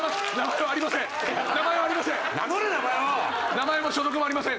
名前はありません！